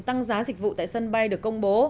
tăng giá dịch vụ tại sân bay được công bố